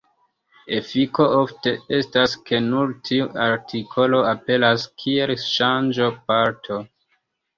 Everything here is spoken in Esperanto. Efiko ofte estas, ke nur tiu artikolo aperas kiel ŝanĝo-parto.